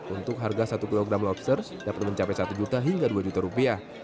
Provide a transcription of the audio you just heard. untuk harga satu kg lobster dapat mencapai rp satu hingga rp dua